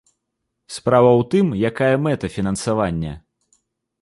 Справа ў тым, якая мэта фінансавання.